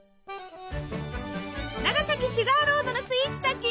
長崎シュガーロードのスイーツたち！